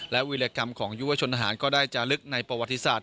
และวิรกรรมของยุวชนทหารก็ได้จะลึกในประวัติศาสต